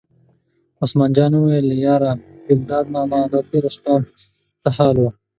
عثمان جان وویل: یاره ګلداد ماما دا تېره شپه څه حال و.